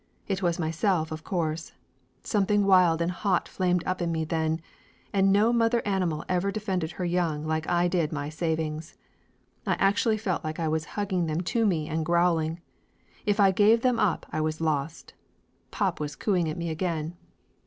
It was myself of course. Something wild and hot flamed up in me then, and no mother animal ever defended her young like I did my savings. I actually felt like I was hugging them to me and growl ing. If I give them up I was lost. Pop was cooing at me again.